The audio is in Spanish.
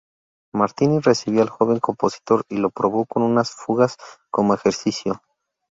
Martini recibió al joven compositor y lo probó con unas fugas como ejercicio.